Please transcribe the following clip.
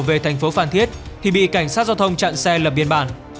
về thành phố phan thiết thì bị cảnh sát giao thông chặn xe lập biên bản